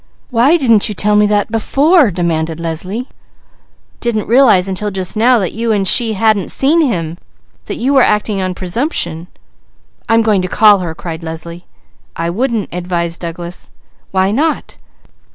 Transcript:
"Why didn't you tell me that before?" "Didn't realize until just now that you and she hadn't seen him that you were acting on presumption. "I'm going to call her!" cried Leslie. "I wouldn't!" advised Douglas. "Why not?"